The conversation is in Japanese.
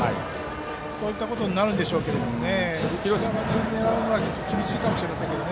そういったことになるんでしょうけどそれを狙うのは厳しいかもしれません。